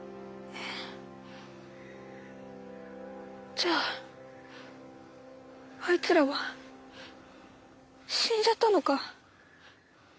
じゃああいつらは死んじゃったのか？